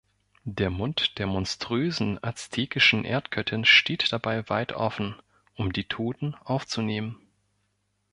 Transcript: Der Mund der monströsen aztekischen Erdgöttin steht dabei weit offen, um die Toten aufzunehmen.